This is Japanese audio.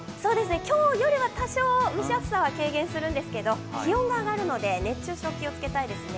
今日よりは多少蒸し暑さは軽減するんですけど、気温が上がるので、熱中症、気をつけたいですね。